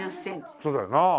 そうだよな。